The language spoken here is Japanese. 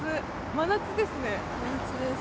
真夏ですね。